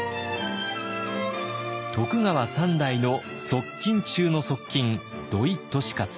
徳川三代の側近中の側近土井利勝。